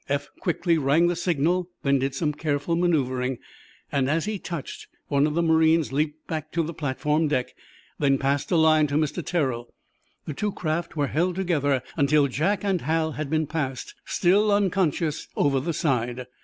Eph quickly rang the signal, then did some careful manœuvring. As he touched, one of the marines leaped back to the platform deck, then passed a line to Mr. Terrell. The two craft were held together until Jack and Hal had been passed, still unconscious, over the side.